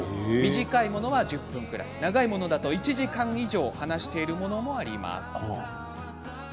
短いものは１０分ぐらい長いものだと１時間以上話しているものもあります。